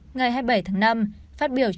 ngày hai mươi bảy tháng năm phát biểu trước